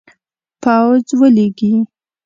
پوځ ولیږي.